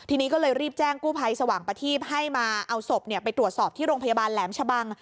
ทีนี้ก็เลยรีบแจ้งกู้ภัยสว่างประทีปให้มาเอาศพไปตรวจสอบที่โรงพยาบาลแหลมชะบัง